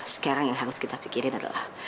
sekarang yang harus kita pikirin adalah